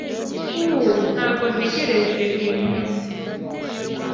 Ugh. Ntabwo ntegereje uyu munsi.